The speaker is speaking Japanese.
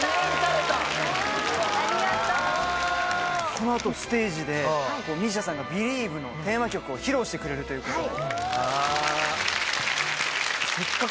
この後ステージでＭＩＳＩＡさんが「ビリーヴ！」のテーマ曲を披露してくれるということで。